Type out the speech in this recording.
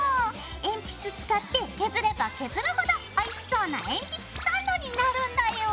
鉛筆使って削れば削るほどおいしそうな鉛筆スタンドになるんだよ。